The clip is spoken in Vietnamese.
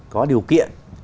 có điều kiện